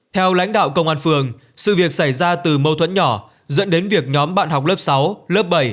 theo lãnh đạo công an phường sự việc xảy ra từ mâu thuẫn nhỏ dẫn đến việc nhóm bạn học lớp sáu lớp bảy